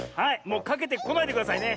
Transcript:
もうかけてこないでくださいね。